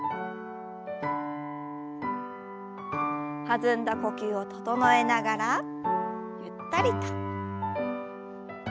弾んだ呼吸を整えながらゆったりと。